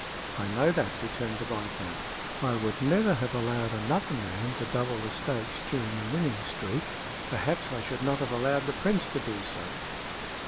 "I know that," returned the viscount. "I would never have allowed another man to double the stakes during a winning streak. Perhaps I should not have allowed the prince to do so."